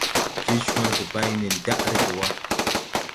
Je cwage bay nen daʼ reege wa.